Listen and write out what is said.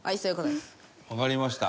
わかりました。